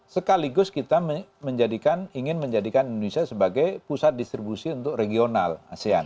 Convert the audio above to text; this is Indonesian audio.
sekaligus kita ingin menjadikan indonesia sebagai pusat distribusi untuk regional asean